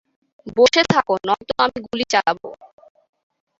বসে থাক নয়তো আমি গুলি চালাবো।